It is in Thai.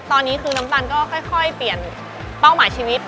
ตอนนี้คือน้ำตาลก็ค่อยเปลี่ยนเป้าหมายชีวิต